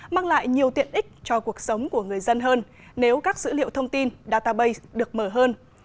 mang lại nhiều tiện ích cho cuộc sống của người dân hơn nếu các dữ liệu thông tin database được mở hơn